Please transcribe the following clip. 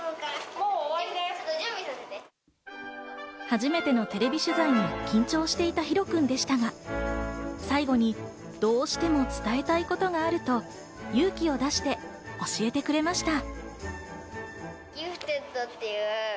初めてのテレビ取材に緊張していたヒロくんでしたが、最後にどうしても伝えたいことがあると勇気を出して教えてくれました。